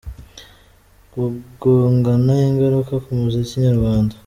Kugongana ingaruka ku muziki nyarwanda